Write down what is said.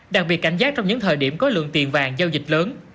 đặc biệt cảnh giác trong những thời điểm có lượng tiền vàng giao dịch lớn